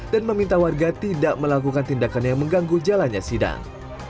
dan meminta warga tidak melakukan tindakan yang mengganggu jalannya sidang